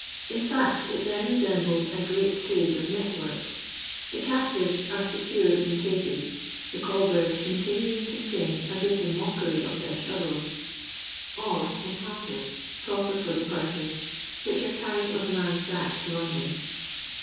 In fact it then resembles a great cage of net work. The captives arc secured in cages — the call bird continuing to sing as if in mockery of their struggles— or in hampers proper for the purpose, which are carried on the man's back to London.